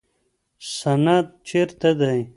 سند چیرته دی؟